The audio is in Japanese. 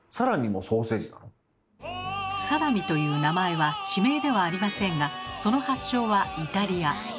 サラミという名前は地名ではありませんがその発祥はイタリア。